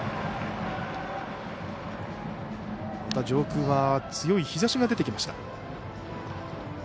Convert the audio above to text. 上空は強い日ざしが出てきました。